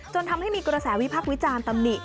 ทำให้มีกระแสวิพักษ์วิจารณ์ตำหนิ